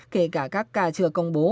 kể cả các ca chưa công bố